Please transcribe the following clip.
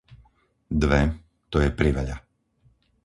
Dve, to je priveľa.